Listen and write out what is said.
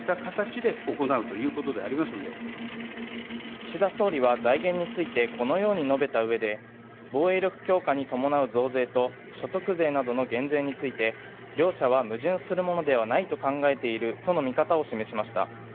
岸田総理は財源についてこのように述べた上で防衛力強化に伴う増税と所得税などの減税について両者は矛盾するものではないと考えているとの見方を示しました